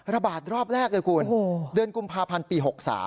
ระบาดรอบแรกเลยคุณเดือนกุมภาพันธ์ปี๖๓